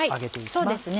そうですね。